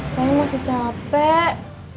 saya masih capek